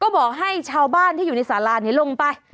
ก็บอกให้ชาวบ้านที่อยู่ในสาราลงไป